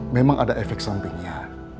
memang ada efek sampingnya